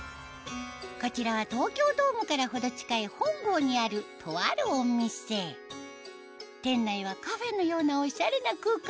こちらは東京ドームから程近い本郷にあるとあるお店店内はカフェのようなオシャレな空間